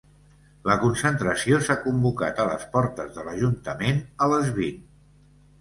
La concentració s’ha convocat a les portes de l’ajuntament a les vint.